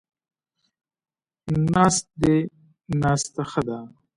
ناست دی، ناسته ښه ده